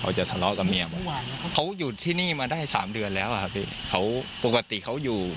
จะทะเลาะกับเมียผมเขาอยู่ที่นี่มาได้สามเดือนแล้วอ่ะพี่เขาปกติเขาอยู่